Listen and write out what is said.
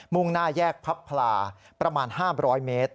่งหน้าแยกพับพลาประมาณ๕๐๐เมตร